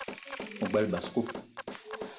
O gbele basko?